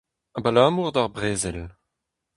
Abalamour d'ar brezel.